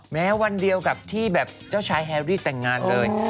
แม้วันเดียวกับที่แบบเจ้าชายแฮรี่แต่งงานเลย